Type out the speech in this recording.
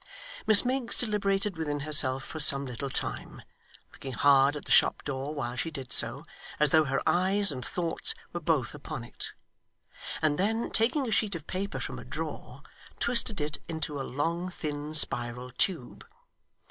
Miss Miggs deliberated within herself for some little time, looking hard at the shop door while she did so, as though her eyes and thoughts were both upon it; and then, taking a sheet of paper from a drawer, twisted it into a long thin spiral tube.